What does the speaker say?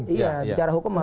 bicara hukum harus